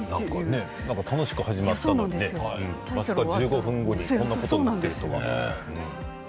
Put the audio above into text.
楽しく始まったのにまさか１５分後にこんなことになるとは。